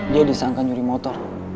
dia disangka nyuri motor